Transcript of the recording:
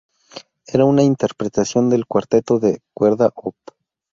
Era una interpretación del Cuarteto de cuerda op.